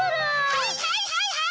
はいはいはいはい！